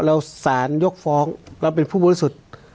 สารยกฟ้องเราเป็นผู้บริสุทธิ์